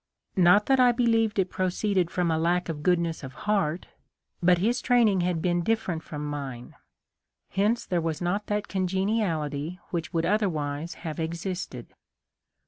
Not that I believed it pro ceeded from a lack of goodness of heart ; but his training had been different from mine ; hence there was not that congeniality which would otherwise have existed.